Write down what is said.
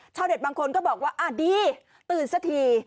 ชาวเน็ตบางคนก็บอกว่าอ่าดีตื่นสักที